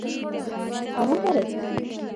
هوا نه راځي